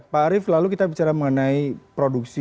pak arief lalu kita bicara mengenai produksi